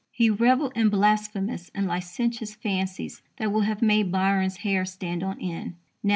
He revelled in blasphemous and licentious fancies that would have made Byron's hair stand on end.